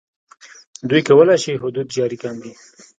دوی کولای شي حدود جاري کاندي.